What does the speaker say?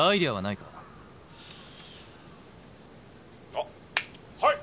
「あっはい！